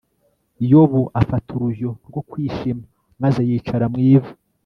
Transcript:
yobu afata urujyo rwo kwishima, maze yicara mu ivu